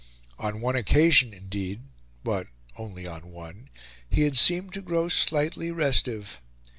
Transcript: On one occasion, indeed but only on one he had seemed to grow slightly restive.